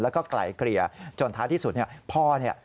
แล้วก็ไกลเกลี่ยจนท้าที่สุด